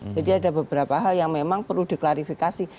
jadi ada beberapa hal yang memang perlu diklarifikasi